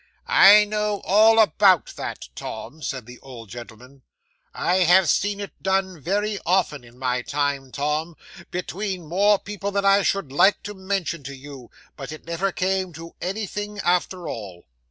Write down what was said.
'"I know all about that, Tom," said the old gentleman. "I have seen it done very often in my time, Tom, between more people than I should like to mention to you; but it never came to anything after all."